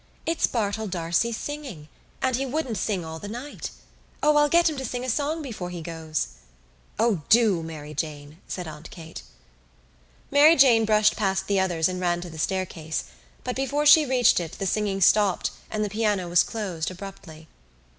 "It's Bartell D'Arcy singing and he wouldn't sing all the night. O, I'll get him to sing a song before he goes." "O do, Mary Jane," said Aunt Kate. Mary Jane brushed past the others and ran to the staircase, but before she reached it the singing stopped and the piano was closed abruptly.